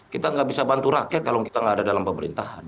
kita nggak bisa bantu rakyat kalau kita nggak ada dalam pemerintahan